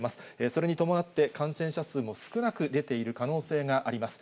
それに伴って、感染者数も少なく出ている可能性があります。